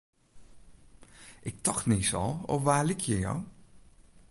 Ik tocht niis al, op wa lykje jo?